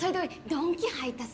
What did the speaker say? ドンキ入ったさ